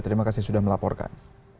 terima kasih sudah melaporkan